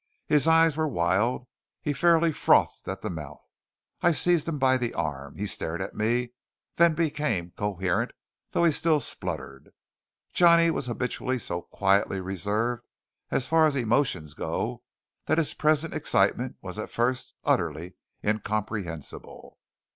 His eyes were wild, and he fairly frothed at the mouth. I seized him by the arm. He stared at me, then became coherent, though he still spluttered. Johnny was habitually so quietly reserved as far as emotions go that his present excitement was at first utterly incomprehensible.